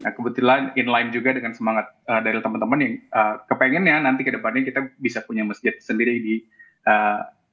kebetulan in line juga dengan semangat dari teman teman yang kepengennya nanti kedepannya kita bisa punya masjid sendiri di indonesia